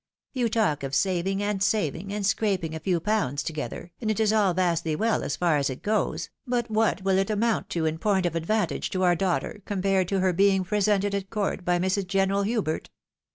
You talk of saving and saving, and scraping a few pounds together, and it is all vastly well as far as it goes, but what wiU it aU amount to in point of advantage to our daughter, compared to her being presented at court by Mrs. General Hubert?